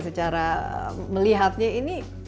secara melihatnya ini